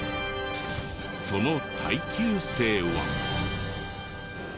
その耐久性は。